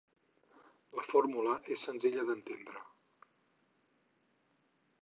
La fórmula és senzilla d'entendre.